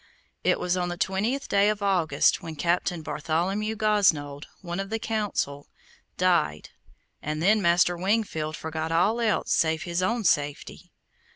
It was on the twentieth day of August when Captain Bartholomew Gosnold, one of the Council, died, and then Master Wingfield forgot all else save his own safety.